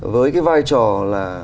với cái vai trò là